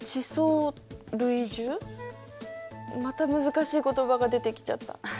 また難しい言葉が出てきちゃった。